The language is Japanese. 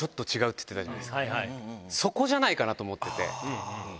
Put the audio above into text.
そこじゃないかなと思ってて。